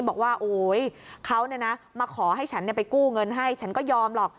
บอกว่าโอ๊ยเขามาขอให้ฉันไปกู้เงินให้ฉันก็ยอมหรอก